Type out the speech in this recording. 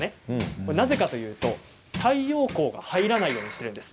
なぜかというと太陽光が入らないようにしているんです。